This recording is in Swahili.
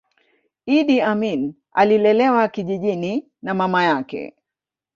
iddi amin alilelewa kijijini na mama yake